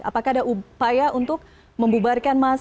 apakah ada upaya untuk membubarkan massa